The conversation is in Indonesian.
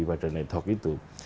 pada nethok itu